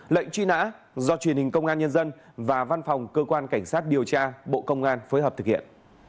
lệnh truy nã do truyền hình công an nhân dân và văn phòng cơ quan cảnh sát điều tra bộ công an phối hợp thực hiện